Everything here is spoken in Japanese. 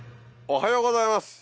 おはようございます